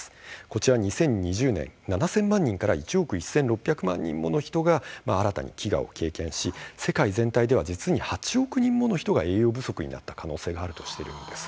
こちらは２０２０年７０００万人から１億１６００万人もの人が新たに飢餓を経験し世界全体では実に８億人もの人が栄養不足になった可能性があるとしているんです。